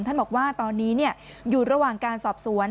ท่านบอกว่าตอนนี้อยู่ระหว่างการสอบสวน